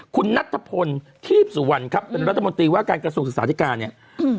คุณนัทพลทีพสุวรรณครับเป็นรัฐมนตรีว่าการกระทรวงศึกษาธิการเนี่ย